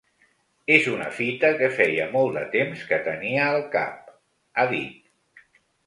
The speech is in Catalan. És una fita que feia molt de temps que tenia al cap, ha dit.